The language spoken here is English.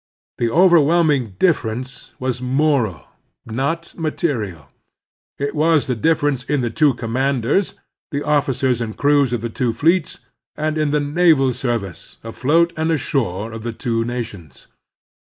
The overwhelming difference was moral, not material. It was the difference in the two commanders, in the officers and crews of the two fleets, and in the naval service, afloat and ashore, of the two nations.